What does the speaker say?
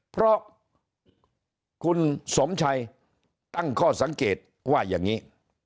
เพราะคุณสมชัยตั้งข้อสังเกตว่าอย่างนี้